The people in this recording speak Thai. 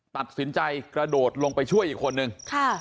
ตัดสินใจกระโดดลงไปช่วยอีกคนนึง